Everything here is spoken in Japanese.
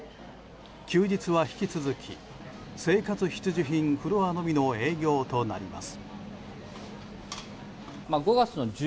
休日は引き続き生活必需品フロアのみの営業となります。